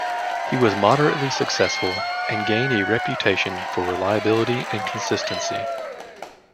He was moderately successful and gained a reputation for reliability and consistency.